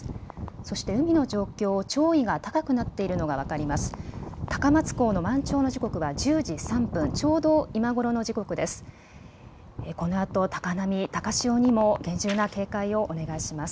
そして海の状況、潮位が高くなっているのが分かります。